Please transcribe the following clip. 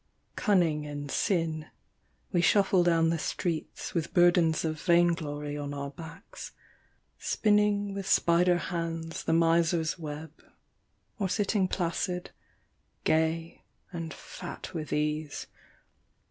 Cunning in sm, we shuffle down the streets With burdens of vainglory on our backs, Spinning with spider hands the miser's web tting placid, gay and fat with ease.